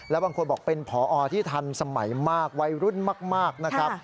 แล้วบางคนบอกเป็นผอที่ทันสมัยมากวัยรุ่นมากนะครับ